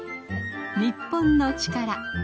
『日本のチカラ』